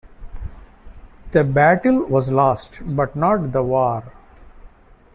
The battle was lost but not the war.